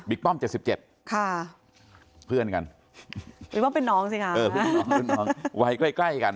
เออคุณน้องไว้ใกล้กัน